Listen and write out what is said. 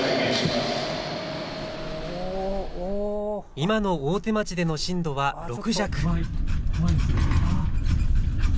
今の大手町での震度は６弱。